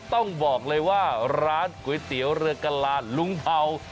ต้องบอกเลยว่าร้านก๋วยเตี๋ยวเรือกลานลุงเผา